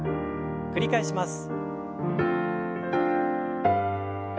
繰り返します。